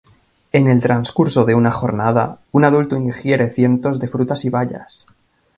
En el transcurso de una jornada un adulto ingiere cientos de frutas y bayas.